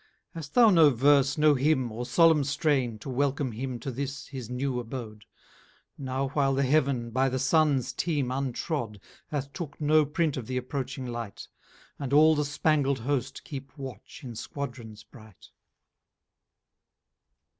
Hast thou no vers, no hymn, or solemn strein, To welcom him to this his new abode, Now while the Heav'n by the Suns team untrod, Hath took no print of the approching light, 20 And all the spangled host keep watch in squadrons bright?